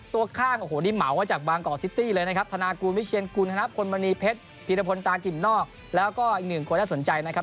ตัวข้างโอ้โหนี่เหมาก็จากบางกอร์ซิตี้เลยนะครับ